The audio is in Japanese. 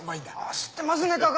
知ってますね係長。